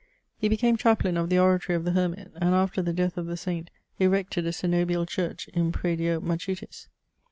He became Chaplain of the Oratory of the Hermit, and, after the death of the Saint, erected a cenobial church in pradio Machutis.